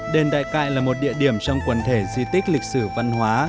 đền đại cại là một địa điểm trong quần thể di tích lịch sử văn hóa